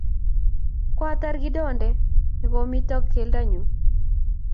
Koator kidonde ne komito keldonyu